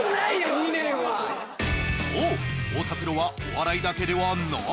２年はそう太田プロはお笑いだけではない！